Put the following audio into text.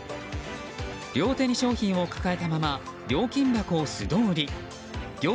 両手に商品を抱えたまま料金箱を素通り。